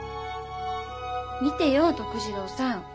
見てよ徳次郎さん。